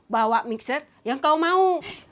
bawa mixes yang kau mau